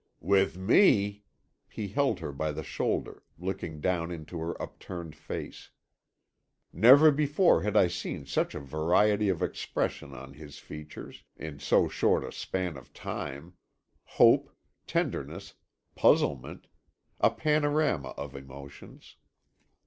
"With me," he held her by the shoulder, looking down into her upturned face. Never before had I seen such a variety of expression on his features, in so short a span of time, hope, tenderness, puzzlement, a panorama of emotions.